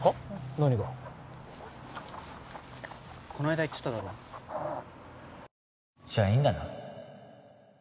何がこの間言ってただろじゃあいいんだな